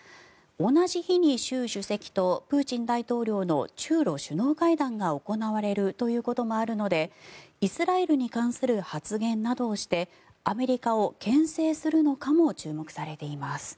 同じ日に習主席とプーチン大統領の中ロ首脳会談が行われるということもあるのでイスラエルに関する発言などをしてアメリカをけん制するのかも注目されています。